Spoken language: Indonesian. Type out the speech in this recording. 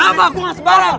apa gue gak sembarang